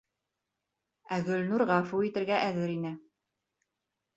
Ә Гөлнур ғәфү итергә әҙер ине.